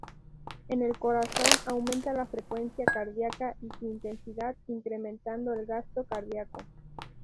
En el corazón aumenta la frecuencia cardíaca y su intensidad; incrementando el gasto cardíaco.